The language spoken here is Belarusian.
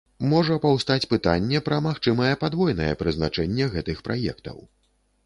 Можа паўстаць пытанне пра магчымае падвойнае прызначэнне гэтых праектаў.